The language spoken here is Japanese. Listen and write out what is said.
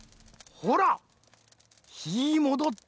ほらひもどった。